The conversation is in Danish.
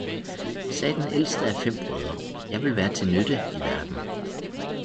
sagde den ældste af fem brødre, jeg vil være til nytte i verden.